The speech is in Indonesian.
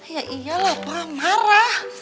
ya iyalah pa marah